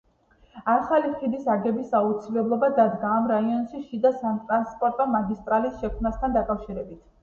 ახალი ხიდის აგების აუცილებლობა დადგა ამ რაიონში შიდა სატრანსპორტო მაგისტრალის შექმნასთან დაკავშირებით.